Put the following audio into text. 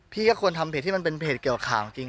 พี่ก็ควรทำเพจที่มันเป็นเพจเกี่ยวกับข่าวจริง